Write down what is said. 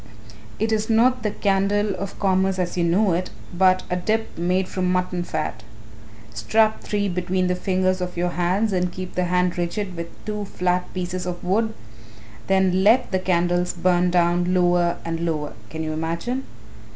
It is not the candle of commerce as you know it, but a dip made from mutton fat. Strap three between the fingers of your hands and keep the hand rigid with two flat pieces of wood; then let the candles burn down lower and lower can you imagine?